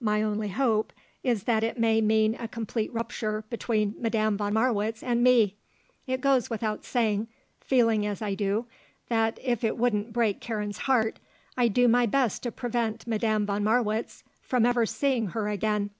"My only hope is that it may mean a complete rupture between Madame von Marwitz and me. It goes without saying, feeling as I do, that, if it wouldn't break Karen's heart, I'd do my best to prevent Madame von Marwitz from ever seeing her again."